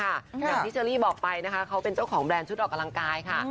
อย่างที่เชอรี่บอกไปนะคะเขาเป็นเจ้าของแบรนด์ชุดออกกำลังกายค่ะ